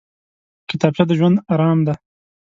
کتابچه د ژوند ارام دی